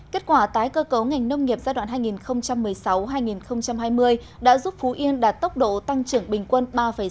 kết quả tái cơ cấu ngành nông nghiệp giai đoạn hai nghìn một mươi sáu hai nghìn hai mươi đã giúp phú yên đạt tốc độ tăng trưởng bình quân ba sáu